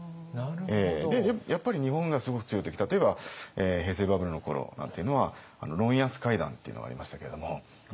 やっぱり日本がすごく強い時例えば平成バブルの頃なんていうのはロン・ヤス会談っていうのがありましたけれども。